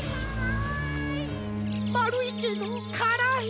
まるいけどからい。